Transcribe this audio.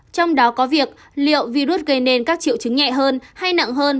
trong đó có việc liệu virus gây nên các triệu chứng nhẹ hơn hay nặng hơn